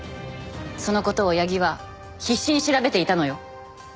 その事を矢木は必死に調べていたのよ。